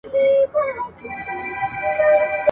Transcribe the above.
هم باغوان هم به مزدور ورته په قار سو !.